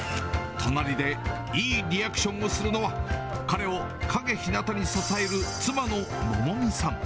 隣でいいリアクションをするのは、彼を陰ひなたに支える、妻の百美さん。